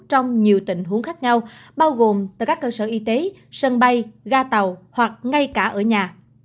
trong nhiều tình huống khác nhau bao gồm từ các cơ sở y tế sân bay ga tàu hoặc ngay cả ở nhà